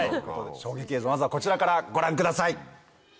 衝撃映像まずはこちらからご覧ください。